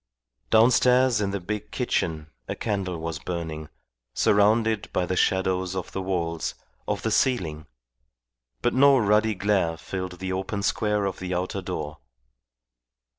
Downstairs in the big kitchen a candle was burning, surrounded by the shadows of the walls, of the ceiling, but no ruddy glare filled the open square of the outer door.